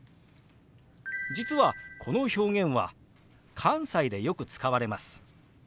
実はこの表現は関西でよく使われます。